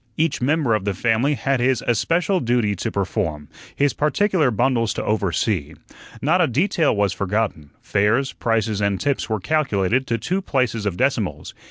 Each member of the family had his especial duty to perform, his particular bundles to oversee. Not a detail was forgotten fares, prices, and tips were calculated to two places of decimals.